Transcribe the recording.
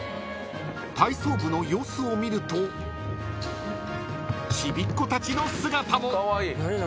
［体操部の様子を見るとちびっ子たちの姿も］